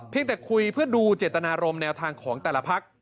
แต่คุยเพื่อดูเจตนารมณแนวทางของแต่ละพัก